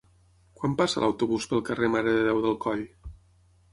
Quan passa l'autobús pel carrer Mare de Déu del Coll?